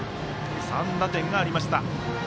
３打点がありました。